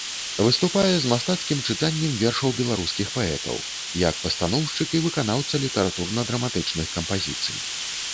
Выступае з мастацкім чытаннем вершаў беларускіх паэтаў, як пастаноўшчык і выканаўца літаратурна-драматычных кампазіцый.